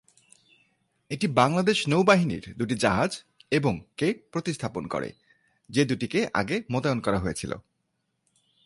এটি বাংলাদেশ নৌবাহিনীর দুটি জাহাজ, এবং কে প্রতিস্থাপন করে, যে দুটিকে আগে মোতায়েন করা হয়েছিল।